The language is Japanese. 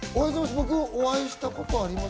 僕、お会いしたことあります？